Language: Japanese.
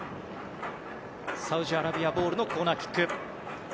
サウジアラビアボールのコーナーキック。